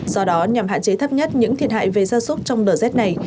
do đó nhằm hạn chế thấp nhất những thiệt hại về gia súc trong đợt rét này